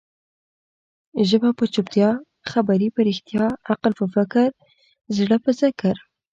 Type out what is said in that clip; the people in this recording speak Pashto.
ژبه په چوپتيا، خبري په رښتیا، عقل په فکر، زړه په ذکر.